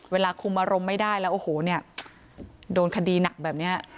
เวลาคุมอารมณ์ไม่ได้แล้วโอ้โหเนี่ยโดนคดีหนักแบบนี้